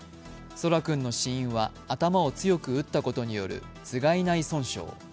空来君の死因は頭を強く打ったことによる頭蓋内損傷。